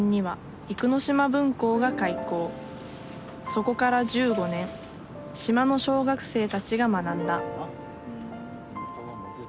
そこから１５年島の小学生たちが学んだ